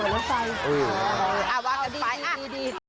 ดีดีดี